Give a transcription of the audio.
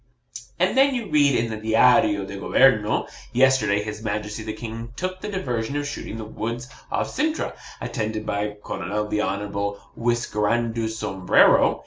And then you read in the DIARIO DO GOBERNO 'Yesterday his Majesty the King took the diversion of shooting the woods off Cintra, attended by Colonel the honourable Whiskerando Sombrero.